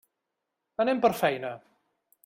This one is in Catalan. Anem per feina.